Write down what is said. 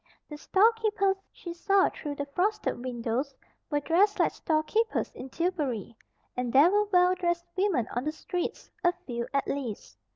The storekeepers she saw through the frosted windows were dressed like storekeepers in Tillbury; and there were well dressed women on the streets, a few, at least.